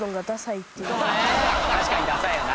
確かにダサいよな。